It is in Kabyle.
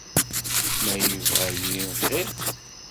Ma yebɣa-yi bɣiɣ-t.